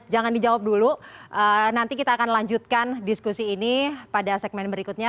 jangan dijawab dulu nanti kita akan lanjutkan diskusi ini pada segmen berikutnya